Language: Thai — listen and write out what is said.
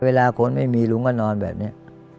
เวลาคนไม่มีลุงก็นอนแบบนี้